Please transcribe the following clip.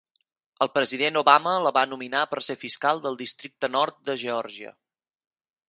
El president Obama la va nominar per ser fiscal del Districte Nord de Geòrgia.